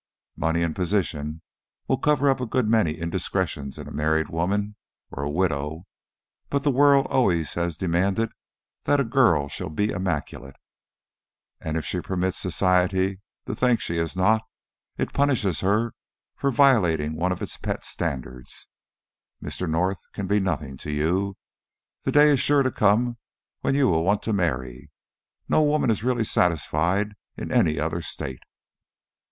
Money and position will cover up a good many indiscretions in a married woman or a widow, but the world always has demanded that a girl shall be immaculate; and if she permits Society to think she is not, it punishes her for violating one of its pet standards. Mr. North can be nothing to you. The day is sure to come when you will want to marry. No woman is really satisfied in any other state."